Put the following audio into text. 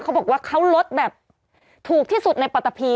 เขาบอกว่าเขาลดแบบถูกที่สุดในปัตตะพี